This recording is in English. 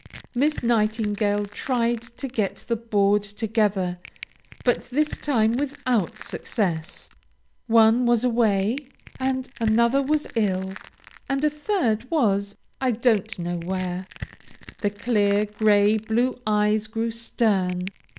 Miss Nightingale tried to get the board together, but this time without success. One was away, and another was ill, and a third was I don't know where. The clear gray blue eyes grew stern.